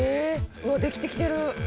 うわっできてきてる！